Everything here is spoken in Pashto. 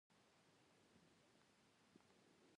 دوی ګاڼې او ښکلي کالي لرل